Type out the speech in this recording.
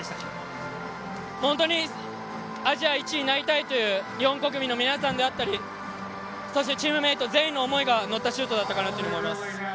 本当にアジア１位になりたいという日本国民の皆さんであったり、チームメートの思いが乗った勝利だったと思います。